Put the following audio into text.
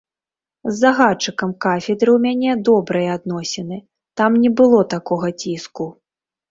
З загадчыкам кафедры ў мяне добрыя адносіны, там не было такога ціску.